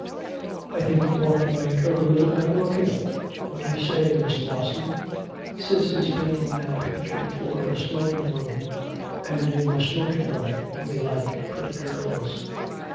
'I think you ought to make her a little better looking. What do you say, Miss Lawson? Cis is painting that picture for a smoking room, and in the smoking room we like pretty girls.'